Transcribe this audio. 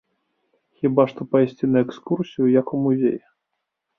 Хіба што пайсці на экскурсію, як у музей.